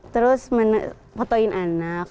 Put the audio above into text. terus fotoin anak